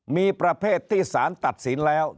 มีประเภทที่สารตัดสินแล้ว